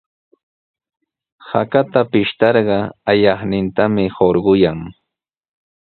Hakata pishtarqa ayaqnintami hurqayan.